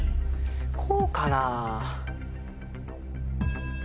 こうかなぁ。